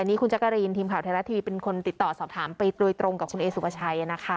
นี่คุณจักรีนทีมข่าวไทยรัฐทีวีเป็นคนติดต่อสอบถามไปโดยตรงกับคุณเอสุภาชัยนะคะ